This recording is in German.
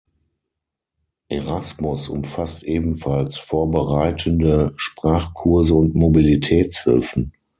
Erasmus umfasst ebenfalls vorbereitende Sprachkurse und Mobilitätshilfen.